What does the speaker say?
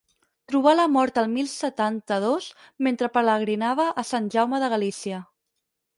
Trobà la mort el mil setanta-dos, mentre pelegrinava a Sant Jaume de Galícia.